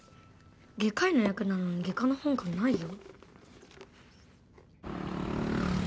外科医の役なのに外科の本がないよ。